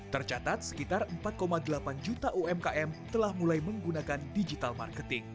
tercatat sekitar empat delapan juta umkm telah mulai menggunakan digital marketing